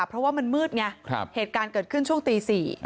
เพราะว่ามันมืดไงเหตุการณ์เกิดขึ้นช่วงตี๔